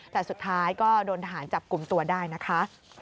แต่สุดท้ายก็โดนทหารจับกลุ่มตัวได้นะคะ